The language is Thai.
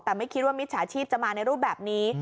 แต่ไม่คิดว่ามิจฉาชีพจะมาในรูปแบบนี้